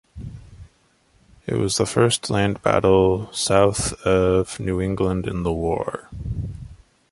It was the first land battle south of New England in the war.